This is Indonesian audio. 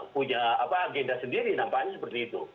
punya agenda sendiri nampaknya seperti itu